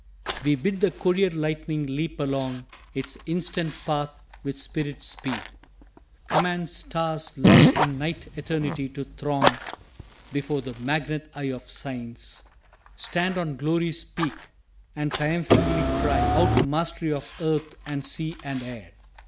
We bid the courier lightning leap along Its instant path with spirit speed command Stars lost in night eternity to throng Before the magnet eye of Science stand On Glory's peak and triumphingly cry Out mastery of earth and sea and air.